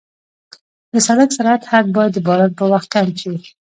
د سړک سرعت حد باید د باران په وخت کم شي.